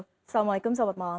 assalamualaikum selamat malam